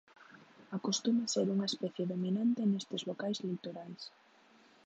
Acostuma ser unha especie dominante nestes locais litorais.